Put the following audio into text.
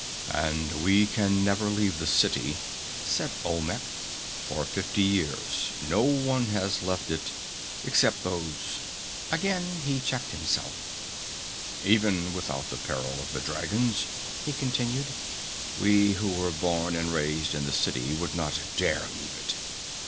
"And we can never leave the city," said Olmec. "For fifty years no one has left it except those " Again he checked himself. "Even without the peril of the dragons," he continued, "we who were born and raised in the city would not dare leave it.